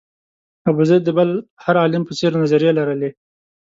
ابوزید د بل هر عالم په څېر نظریې لرلې.